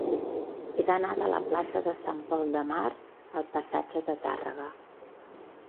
He d'anar de la plaça de Sant Pol de Mar al passatge de Tàrrega.